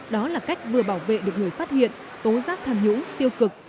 đó là cách vừa bảo vệ được người phát hiện tố giác tham nhũng tiêu cực